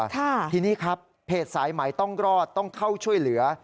ทีนี้ครับเพจสายไหมต้องรอดต้องเข้าช่วยเหลือ